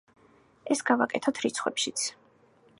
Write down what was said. ეს გავაკეთოთ რიცხვებშიც.